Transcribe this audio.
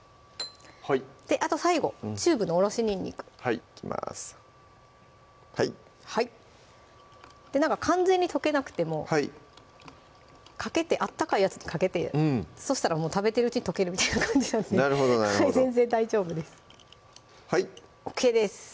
あと最後チューブのおろしにんにくはいいきますなんか完全に溶けなくてもかけて温かいやつにかけてそしたらもう食べてるうちに溶けるみたいな感じなんでなるほどなるほど全然大丈夫ですはいＯＫです